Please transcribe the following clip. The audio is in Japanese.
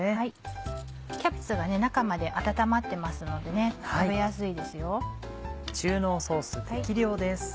キャベツは中まで温まってますのでね食べやすいですよ。